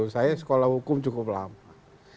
saya sekolah hukum cukup lama